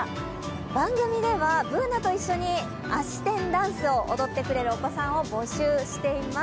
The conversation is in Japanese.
番組ではＢｏｏｎａと一緒にあし天ダンスを踊ってくれるお子さんを募集しています。